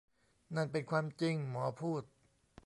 นั่นเป็นความจริงหมอพูด